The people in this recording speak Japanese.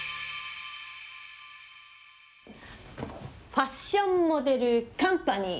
ファッション・モデル・カンパニー、